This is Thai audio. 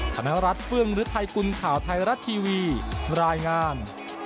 คณรัฐเฟืองหรือไทยกุลข่าวไทยรัฐทีวีรายงาน